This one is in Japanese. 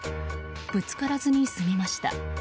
ぶつからずに済みました。